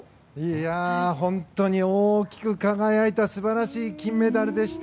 本当に大きく輝いた素晴らしい金メダルでした。